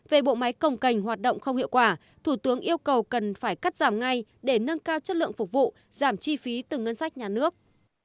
về bộ máy cồng cành hoạt động không hiệu quả thủ tướng yêu cầu cần phải cắt giảm ngay để nâng cao chất lượng phục vụ giảm chi phí từ ngân sách nhà nước